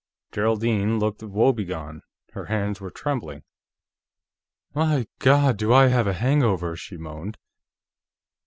Geraldine looked woebegone; her hands were trembling. "My God, do I have a hangover!" she moaned.